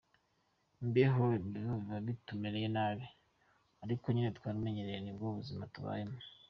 Imbeho, imibu biba bitumereye nabi ariko nyine twaramenyereye nibwo buzima tubayemo.